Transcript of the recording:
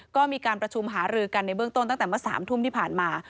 ก็มีการประชุมหารือกันในเบื้องต้นตั้งแต่เมื่อ๓ทุ่มที่ผ่านมา